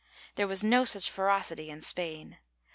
^ There was no such ferocity in Spain.